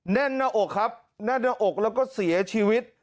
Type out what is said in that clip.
แน่นหน้าอกและเสียชีวิต